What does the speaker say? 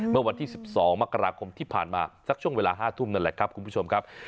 เมื่อวันที่๑๒มกราคมที่ผ่านมาสักช่วงเวลา๕ทุ่มนั่นแหละครับคุณผู้ชมครับ